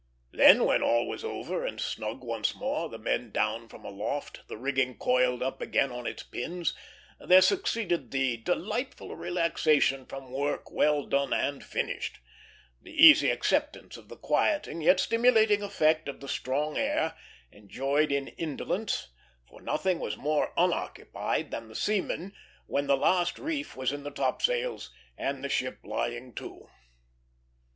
Then, when all was over and snug once more, the men down from aloft, the rigging coiled up again on its pins, there succeeded the delightful relaxation from work well done and finished, the easy acceptance of the quieting yet stimulating effect of the strong air, enjoyed in indolence; for nothing was more unoccupied than the seaman when the last reef was in the topsails and the ship lying to.